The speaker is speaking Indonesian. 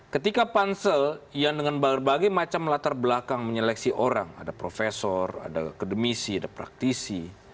ketika pansel yang dengan berbagai macam latar belakang menyeleksi orang ada profesor ada akademisi ada praktisi